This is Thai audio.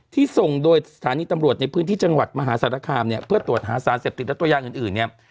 ส่งโดยสถานีตำรวจในพื้นที่จังหวัดมหาสารคามเนี่ยเพื่อตรวจหาสารเสพติดและตัวอย่างอื่นเนี่ย